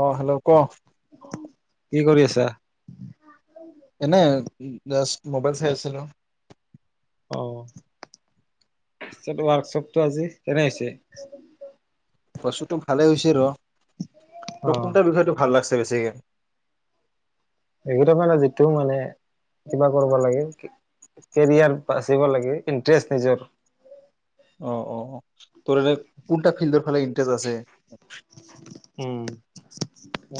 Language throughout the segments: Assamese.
আহ হেল্ল' ক কি কৰি আছা এনে জাষ্ট মোবাইল চাই আছিলো অ ৱৰ্কশ্বপটো আজি কেনে হৈছে বস্তুতটো ভালে হৈছে ৰ তই অ' কোনটা বিষয়টোটো ভাল লাগছে বেছিকে সেইগোটা যিটো মানে কিবা কৰিব লাগে কেৰিয়াৰ বাচিব লাগে ইণ্টাৰেষ্ট নিজৰ অ অ ত কোনটা ফিল্ডৰ ফালে ইন্টাৰেষ্ট আছে উ মো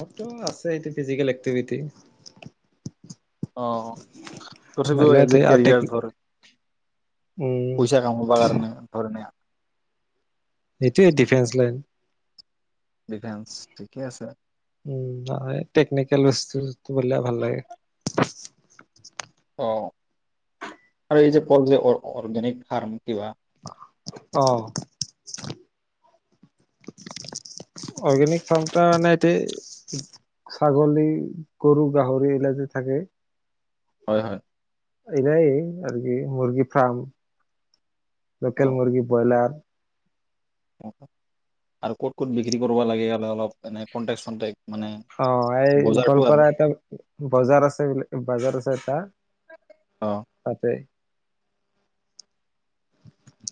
আছেটো ফিজিকেল এক্টিভিটি অ তথাপিও আৰু এজ এ টেক কেৰিয়াৰ ধৰ উম, পইচা কামব কাৰণে ধৰণে এইটোৱে ডিফেন্স লাইন ডিফেন্স ঠিকে আছে উম টেকনিকেল বস্তু বুলিলে ভাল লাগে অ আৰু এই যে পল যে অৰ্গেনিক ফাৰ্ম কিবা আহ অৰ্গেনিক ফাৰ্ম তাৰ মানে এতিয়া ছাগলী, গৰু, গাহৰি এইবিলাক যে থাকে। হয় হয় এই নাই আৰু কি মূৰ্গী ফাৰ্ম অ লোকেল মুৰ্গী বইলাৰ আৰু ক'ত ক'ত বিক্ৰী কৰিব লাগে অলপ কনটেক চনটেক অ এই গোৱালপাৰা এটা বজাৰ আছে বজাৰ আছে এটা অ তাতে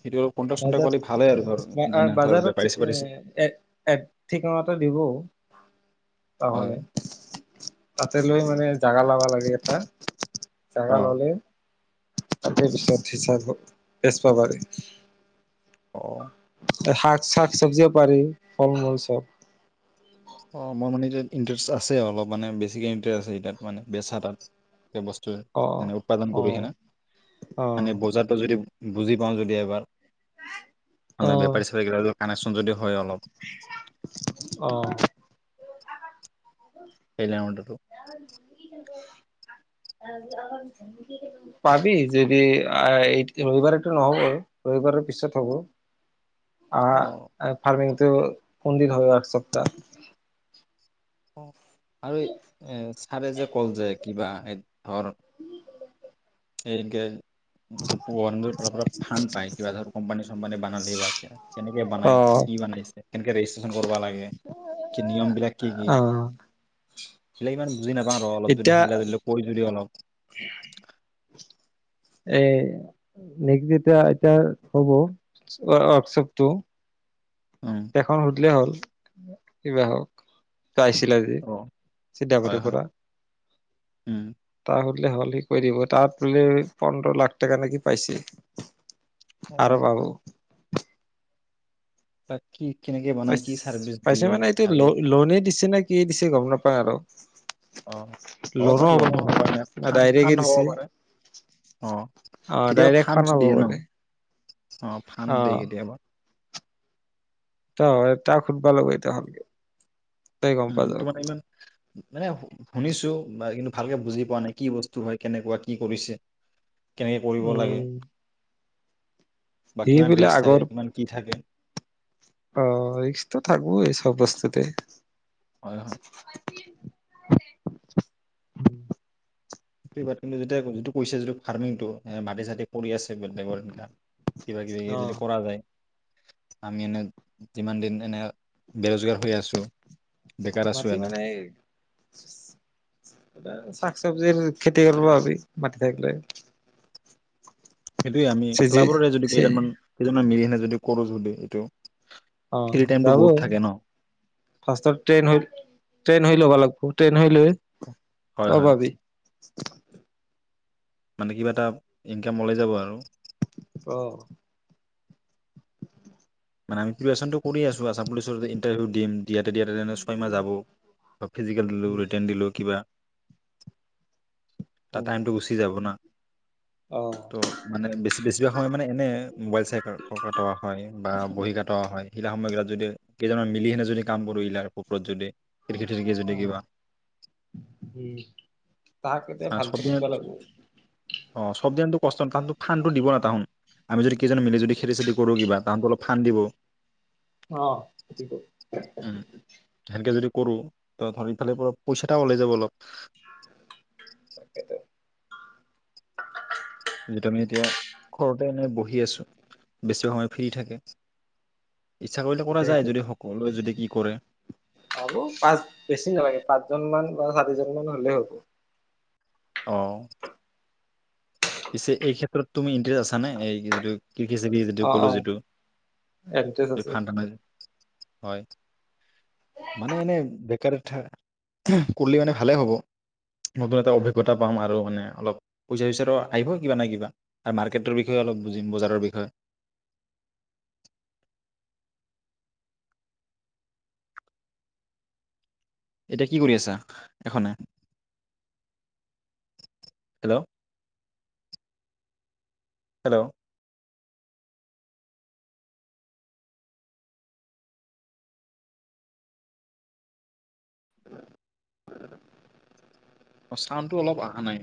সেইটো কন্টেক চন্টেক পালি ভালে আৰু ধৰ বাজাৰত যেনে ধৰ বেপাৰী চেপাৰী ঠিকনা এটা দিব হয় তহলে তাতে লৈ মানে জাগা লব লাগে এটা জাগা অ ললে [unintelligible] অ শাক চাক চবজিও পাৰি ফল মূল চব অ মোৰ মানে এতিয়া ইণ্টাৰেষ্ট আছে অলপ মানে বেছিকৈ ইণ্টাৰেষ্ট আছে এতিয়া মানে বেছা তাত বস্তু অ যেনে উৎপাদন অ কৰোঁহেনে অ মনে বজাৰটো যদি বুজি পাওঁ যদি এবাৰ অ মানে বেপাৰী চেপাৰী গেটা টো কানেকচন যদি হয় অলপ অ পাৰিলে ন মানে [unintelligible] [inaudible] পাবি যদি এই ৰবিবাৰেটো নহব আৰু ৰবিবাৰৰ পিছত হ'ব অ ফাৰ্মিং ত কোন দিনা হয় একসপ্তাহ অ আৰু এহ ভাৱে যে কত যায় কিবা এই ধৰণৰ এই যে [unintelligible] গৰম‌ দিনত আপোনাৰ ফান পায় কিবা ধৰক কোম্পানী চোম্পানী বনালে বা কেনেকে অ বনাই কি বনাইছে কেনেকে ৰেজিষ্ট্ৰেশচন কৰিব লাগে কি নিয়ম বিলাক কি কি অ সেইবিলাক ইমান বুজি নাপাওঁ আৰু অলপ যদি এতিয়া সেইবিলাক যদি কৈ যদি অলপ এ নেক্সট যেতিয়া ইষ্টাত হ'ব ৱৰ্কশ্বপটো উম এখন সুধিলে হ'ল কিবা হওক চাইছিলা যে অ হয় চিদাপতি হয় পৰা উম, তাৰ হ'ল তেনেহলে কৰি দিব তাত বোলে পোন্ধৰ লাখ টকা নেকি পাইছে অ আৰু বাবু তাকে পাইছে মানে এইটো আৰু লোণে দিছে নে কি এ দিছে গম নাপাওঁ আৰু উম অ হ'ব পাৰে লোনো হ'ব পাৰে ন ফানড ডাইৰেক্টে ফানড দিছে হ'ব পাৰে অ অ কেতিয়াবা ডাইৰেক্ট খন ফানড হ'ব দিয়ে পাৰে ন অ ফানড দি দিয়ে কেতিয়াবা অ তাক সুধিব লাগিব এতিয়া ভালকে উম তোমাক ইমান এইয়া শুনিছো বা কিন্তু ভালকে বুজি পোৱা নাই কি বস্তু হয় কেনেকুৱা কি কৰিছে কেনেকৈ কৰিব লাগে? উম বা সি কিমান বোলে ৰিস্ক থাকে আগৰ কিমান কি থাকে অ ৰিক্সতো‌ থাকিব এই চব বস্তুতে হয় হয় উম কিন্তু যেতিয়া যিটো কৈছে যিটো ফাৰ্মিংটো মাটি চাতি পৰি আছে প্ৰতেক্যৰ বিঘা কিবা কিবি অ' যদি কৰা যায় আমি এনে যিমান দিন এনে বে ৰজগাৰ হৈ আছো বেকাৰ আছো মাটি এনে মানে এ শাক চবজিৰ খেতি কৰিব কাৰণে মাটি থাকিলে সেইটোয়ে আমি চিজি ক্লাবৰে যদি চি কেইজনমান কেইমান মিলি যদি কৰো যদি এইটো অ ফ্ৰী টাইমটো যাব বহুত থাকে ন ফাৰ্ষ্টত ট্ৰেইন হৈ ট্ৰেইন হৈ ল'ব লাগে [unintelligible] হয় হয় [unintelligible] মানে কিবা এটা ইনকাম ওলাই যাব আৰু অ মানে আমি প্ৰিপেয়াৰেষ্ণনটো কৰি আছো আছাম পুলিচত ইণ্টাৰভিউ দিম দিয়াতে দিয়াতে তেনে ছয়মাহ যাব বা ফিজিকেল দিলোঁ ৰিটাৰ্ণ দিলোঁ কিবা তাৰ উম টাইমটো গুচি যাব না অ' ত' মানে বেছি বেছিভাগ সময় মানে এনে মোবাইল চাই কটোৱা হয় অ বহি কাট হয় শিলা সময় এইবিলাক যদি কেইজনমান মিলিহনে যদি কাম কৰো ইিলাৰ কুকৰত যদি ক যদি কিবা উম তাক এতিয়া চব ভালকে দিন সুধিব লাগিব অ চব দিনো কষ্ট তাহ খানটো দিব ন তাহন আমি যদি কেইজন মিলি যদি খেতি চেতি কৰো কিবা তাহনতো অলপ ফা্দ দিব অ সতি উম সেনেকে যদি কৰো ত ধৰি ইফালে পইচাটা ওলাই যাব অলপ তাকেতো যিটো আমি এতিয়া ঘৰতে এনে বহি আছো বেছি সময় ফ্ৰী থাকে ইচ্ছা কৰিলে কৰা যায় যদি সকলোৱে যদি কি কৰে আৰু পাঁচ বেছি নালাগে পাঁচজন মান ছয় সাত হজনাৰ মান হলে হ'ব আহ পিছে এই ক্ষেত্ৰত তুমি ইণ্টাৰেষ্ট আছা নে এই যিটো কৃষি জিবি যিটো অ' কলো অ' যিটো এড্ৰেছ সেই আছে ফানান হয় মানে এনে বেকাৰ এথা কৰিলে মানে ভালে হ'ব নতুন এটা অভিজ্ঞতা পাম আৰু মানে অলপ পইচা চইচাৰো আহিব কিবা নাই কিবা আৰু মাৰ্কেটৰ বিষয়ে অলপ বুজিম বজাৰৰ বিষয়ে এতিয়া কি কৰি আছা এখনে হেল্ল' হেল্ল' উ অ চাউনটো অলপ অহা নাই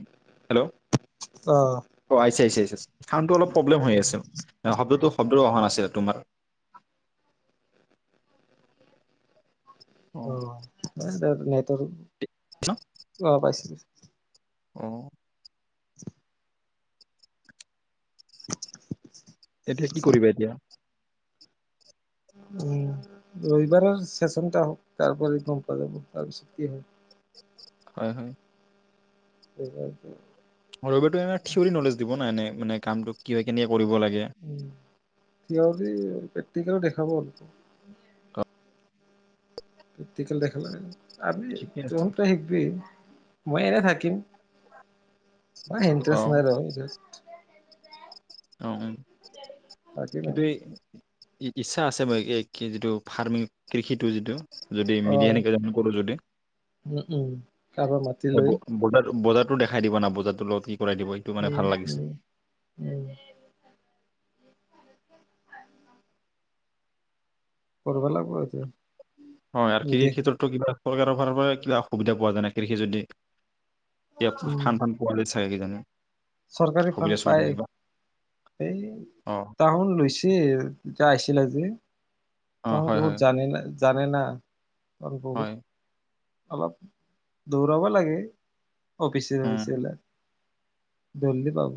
হেল্ল' অ আহিছে আহিছে চাউটো অলপ প্ৰব্লেম হৈ আছিল শব্দটো শব্দৰ অহা নাছিলে তোমাৰ অ হয় ছাগে নাই তে- অ পাইছিলো আহ এতিয়া কি কৰিবা এতিয়া উম ৰবিবাৰৰ চেচনটা হওক তাৰপ গম পোৱা যাব তাৰপিছত কি হয় হয় হয় পেপাৰটো এইবাৰ থিয়ৰী নলেজ দিব ন এনে মানে কামটো কি হয় কেনে উম থিয়ৰী প্ৰেক অ, [unintelligible] প্ৰেকটিকেল দেখা দে নাই আজি ঠিকে আছে তম কি শিকিবি মই এনে থাকিম মই অ ইণ্ট্ৰেষ্ট নাই আৰু ইয়াত অ উম থাকিম কিন্তু এই ইচ্ছা আছে মই যিটো ফাৰ্মিং কৃষিটো যিটো যদি অ মিলি এনেকে কৰো যদি উম উম কাৰোবাৰ মাতি লৈ বজাৰত দেখাই দিব না বজাৰটো লগত কি কৰাই দিব এইটো মানে ভাল উম লাগিছে উম উম কৰবা লাগবো আজি হয় আৰু কৃষি ক্ষেত্ৰতটো কিবা চৰকাৰৰ ফালৰ পৰা কিবা সুবিধা পোৱা যায় নেকি কৃষি যদি এতিয়া উম ফান ফান পলিচি সেই কি জানি চৰকাৰী ফাউন পাই এই অঁ তাৰ সোন লৈছে এতিয়া আহিছিলে যে অঁ তাৰ হয় বহুত হয় জানে না জানে না তাৰ হয় বহুত অলপ দৌৰাব লাগে অফিছ ফপিছ উম, বিলাক জলি দি পাব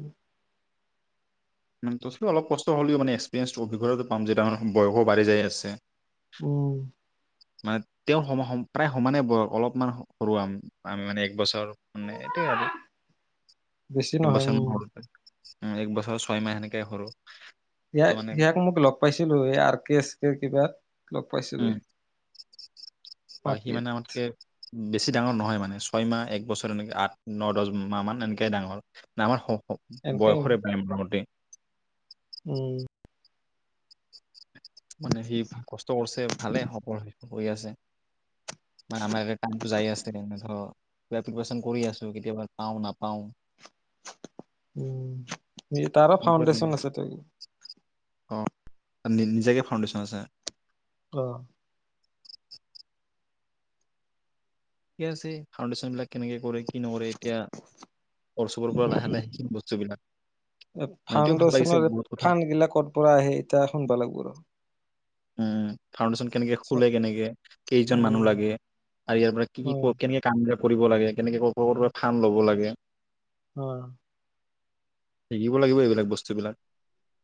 তথলিও অলপ কষ্ট হ'লেও মানে এক্সপিৰিয়ঞ্চটো অভিজ্ঞতাৰপাম যে ডাঙৰ হম বয়সবাঢ়ি যায় আছে উম মানে তেওঁৰ সম সম প্ৰায় সমানে অলপমান সৰু আমি মানে এক বছৰ মানে এইটোৱে আৰু বেছি এক নহয় বছৰ উম মান সৰু এক বছ ছয় মাহ সেনেকে সৰু ত' ইয়াক মানে ইয়াক মোক লগ পাইছিলো আৰ কে এ কে কিবা লগ উম পাইছিলেই হয় সি মানে আমাতকে বেছি ডাঙৰ নহয় মানে ছয় মাহ একবছৰ এনেকে আঠ ন দহ মাহ মান এনেকে ডাঙৰ আমাৰ এনেকে বয়সৰ ফড ৰ মতে মোটামুটি উম মানে সি কষ্ট কৰিছে ভালে হব হৈ আছে মানে আমাৰ তাই বুজাই আছে তেনে পিপিযাৰেচন কোৱেচন কৰি আছো কেতিয়াবা পাওঁ নাপাও উম তাৰো এনেকুৱা লাগে। ফাউণ্ডেশ্যন আছে ত নিজাকে ফাউণ্ডেশ্যন আছে আহ থিক আছে ফাউণ্ডেশ্যন বিলাক কেনেকে কৰে কি নকৰে এতিয়া অৰ চুবুৰ পৰা লাহে লাহে সেইখিনি বস্তুবিলাক মাইতিও ভাল লাগিছে ফাউণ্ডেশ্যনৰ বহুত কথা ফাণ্ড গিলা ক'ৰ পৰা আহে এতিয়া শুনবা লাগব ৰ উম ফাউডেশ্যন কেনেকে খোলে কেনেকে কেইজন মানুহ উম লাগে আৰু ইয়াৰ পৰা কি অ কেনেকে কাম কৰিব লাগে কেনেকে ক'ৰ ক' ফাড ল'ব লাগে অ শিকিব লাগিব এইবিলাক বস্তুবিলাক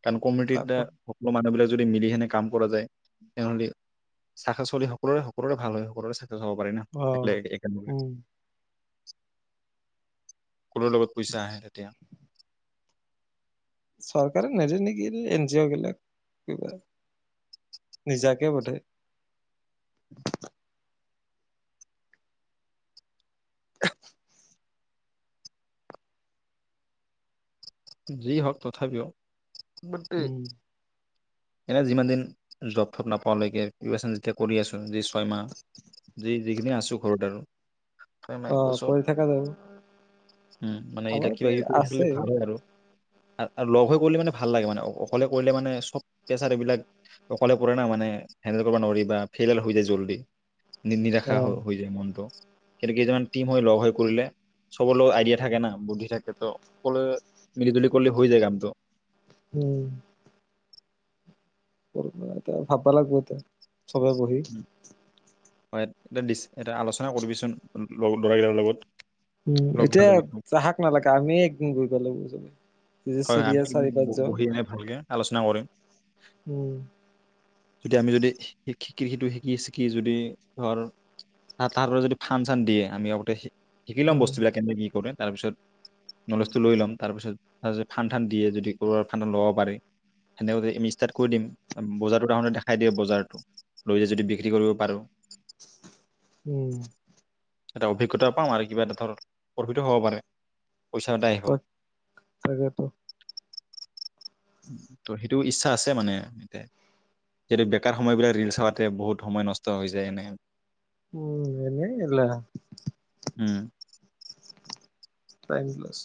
কাৰণ কমিউিটিৰ তাক দ সকলো মানুহবিলাক‌ যদি মিলিহেনে কাম কৰা যায় তেহ চখা চলি সকলোৰে সকলোৰে ভাল হয় সকলোৰে খব পাৰে ন অ একলাই একন উম কৰ লগত পইচা আহে তেতিয়া চৰকাৰে নেদে নেকি এন জি অ' বিলাক কিবা নিজাকে বধায় যি হওক তথাপিও বাট‌ উম এনে যিমান দিন জপ থপ নাপাৱালৈকে প্ৰভচন যেতিয়া কৰি আছো যি ছয়মাহ যি যিখিনি আছো ঘৰত আৰু ছয়মাহ এক আহ বছৰ পৰি থকা যাব উম মানে আমাৰ এবিলাক ইতে কিবা কিবি কৰি থাকিলে আছে ভাল হয় আৰু লগ হৈ কৰিলে মানে ভাল লাগে মানে অকলে কৰিলে মানে সব প্ৰেচাৰ এইবিলাক অকলে প না মানে হেণ্ডেল কৰিব নোৱাৰি বা ফেইলোৰ হৈ যায় জল্দি নিৰাখা উম হৈ যায় মনটো কিন্তু কেইজনমান টিম হৈ লগ হৈ কৰিলে চব লগ দিয়া থাকে না বুদ্ধি থাকে তো সকলোৱে মিলি জুলি কৰিলে হৈ যায় কামটো উম কৰ ভাববা লাগিব ত চবে বহি উম। হয় এটা দিছে এটা আলচনা কৰিবিচোন লগ দৰা কেইটাৰ লগত উম লগকেইটাৰ এতিয়া লগত। চাহাক নালাগে আমি উম বুজালোঁ বুজালোঁ হয় হয় আমিদিন বহি আনে ভালকে আলোচনা কৰিম‌ উম যদি আমি যদি শিকি সিটো শিকি শিকি যদি ধৰ তাৰৰে যদি ফান চান দিয়ে আমি আগতে শিকি ল'ম উম বস্তুবিলাক কেনেকে কি কৰে তাৰপিছত নলেজটো লৈ ল'ম তাৰপিছত তাৰপিছ ফাণ্ড তান্ দিয়ে যদি ক'ৰবাৰ ফা্ড ল'ব পাৰে তেনেকৈ আমি ষ্টাৰ্ট কৰি দিম বজাৰটোতে দেখাই দিয়ে বজাৰটো লৈ য যদি বিক্ৰী কৰিব পাৰোঁ উম এটা অভিজ্ঞতা পাাম আৰু কিবা এটা ধৰ প্ৰফিত হ'ব পাৰে পইচা এটাই অহ চাগেতো ত' সেইটো ইচ্ছা আছে মানে এতে যিহেতু বেকাৰ সময়বিলাক ৰিল চ হওঁতে বহুত সময় নষ্ট হৈ যায় এনে উম এনে গেলা উম টাইম পাছ